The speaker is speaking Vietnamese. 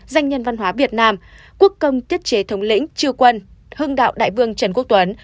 danh nhân văn hóa việt nam quốc công tiết chế thống lĩnh chư quân hương đạo đại vương trần quốc tuấn